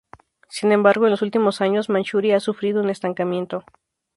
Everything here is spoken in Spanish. Sin embargo, en los últimos años, Manchuria ha sufrido un estancamiento.